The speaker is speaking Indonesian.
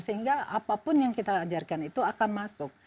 sehingga apa pun yang kita ajarkan itu akan masuk